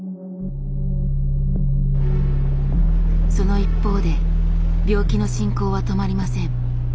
その一方で病気の進行は止まりません。